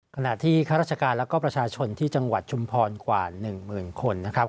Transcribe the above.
ขณะที่ข้าราชการและก็ประชาชนที่จังหวัดชุมพรกว่า๑หมื่นคนนะครับ